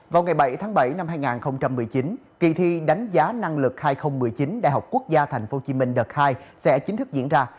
vào ngày bảy tháng bảy năm hai nghìn một mươi chín kỳ thi đánh giá năng lực hai nghìn một mươi chín đại học quốc gia tp hcm đợt hai sẽ chính thức diễn ra